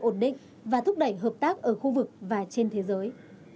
ổn định và thúc đẩy hợp tác ở khu vực và trên thế giới